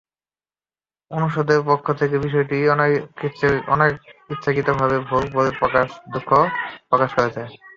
অনুষদের পক্ষ থেকে বিষয়টিকে অনিচ্ছাকৃত ভুল বলে দুঃখ প্রকাশ করা হয়।